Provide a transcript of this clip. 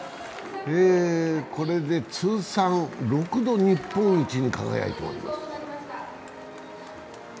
これで通算６度、日本一に輝いております。